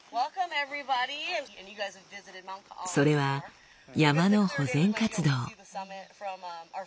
それは山の保全活動。